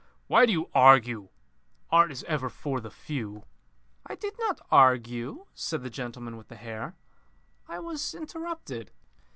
"Why do you argue? Art is ever for the few." "I did not argue," said the gentleman with the hair. "I was interrupted."